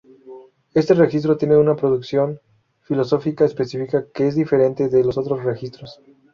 Este registro tiene una producción fisiológica específica que es diferente de los otros registros.